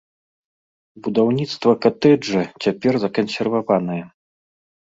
Будаўніцтва катэджа цяпер закансерваванае.